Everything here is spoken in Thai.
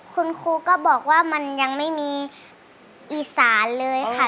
คุณครูก็บอกว่ามันยังไม่มีอีสานเลยค่ะ